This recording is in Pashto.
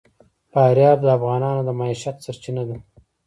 فاریاب د افغانانو د معیشت سرچینه ده.